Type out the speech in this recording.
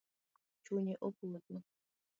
Chunye opodho